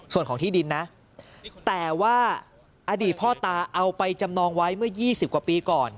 ส่วนของที่ดินนะแต่ว่าอดีตพ่อตาเอาไปจำนองไว้เมื่อ๒๐กว่าปีก่อน